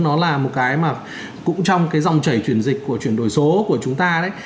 nó là một cái mà cũng trong cái dòng chảy chuyển dịch của chuyển đổi số của chúng ta đấy